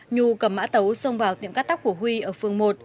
nhu cầm mã tấu xông vào tiệm cắt tóc của huy ở phường một